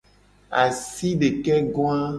Asidekegoa.